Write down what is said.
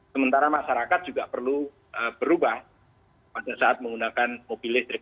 sementara masyarakat juga perlu berubah pada saat menggunakan mobil listrik